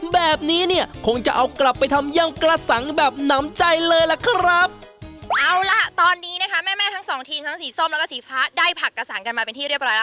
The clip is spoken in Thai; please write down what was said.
แบบนี้เนี่ยคงจะเอากลับไปทำยำกระสังแบบหนำใจเลยล่ะครับเอาล่ะตอนนี้นะคะแม่แม่ทั้งสองทีมทั้งสีส้มแล้วก็สีฟ้าได้ผักกระสังกันมาเป็นที่เรียบร้อยแล้ว